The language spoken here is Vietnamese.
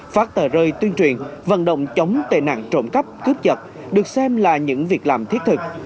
phát tờ rơi tuyên truyền vận động chống tệ nạn trộm cắp cướp giật được xem là những việc làm thiết thực